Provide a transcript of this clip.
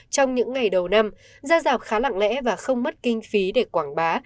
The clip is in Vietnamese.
trong những ngày đầu năm ra rào khá lặng lẽ và không mất kinh phí để quảng bá